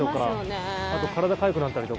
あと、体かゆくなったりとか。